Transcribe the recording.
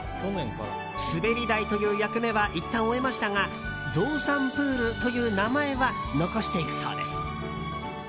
滑り台という役目はいったん終えましたがゾウさんプールという名前は残していくそうです。